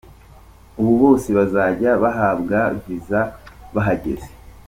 Ubu bose bazajya bahabwa viza bahageze.